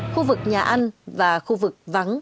khu vực nhà ăn và khu vực vắng